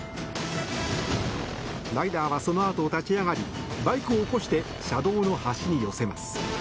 ライダーはそのあと立ち上がりバイクを起こして車道の端に寄せます。